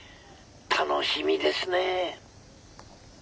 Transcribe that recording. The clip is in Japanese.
楽しみですねえ」。